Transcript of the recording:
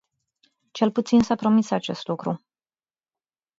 Cel puțin s-a promis acest lucru.